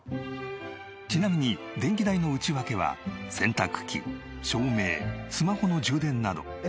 ちなみに電気代の内訳は洗濯機照明スマホの充電など。